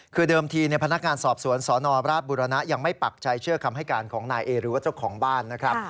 คือเดิมทีพนักงานสอบสวนสนราชบุรณะยังไม่ปักใจเชื่อคำให้การของนายเอหรือว่าเจ้าของบ้านนะครับ